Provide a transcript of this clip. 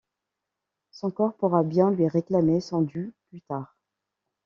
Son corps pourra bien lui réclamer son dû plus tard.